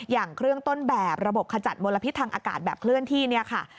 อย่างเครื่องต้นแบบระบบขจัดมลพิษทางอากาศแบบเคลื่อนที่เนี่ยค่ะ